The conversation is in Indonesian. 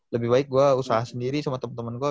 lebih baik gue usaha sendiri sama temen temen gue